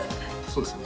そうです。